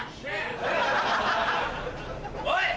おい！